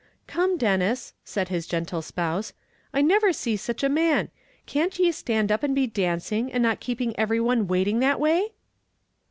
"Come, Denis," said his gentle spouse, "I never see sich a man; can't ye stand up and be dancing, and not keeping everyone waiting that way?"